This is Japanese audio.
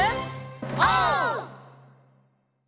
オー！